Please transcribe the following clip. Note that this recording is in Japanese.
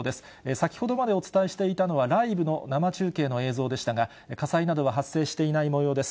先ほどまでお伝えしていたのは、ライブの生中継の映像でしたが、火災などは発生していないもようです。